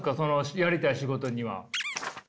やりたい仕事には。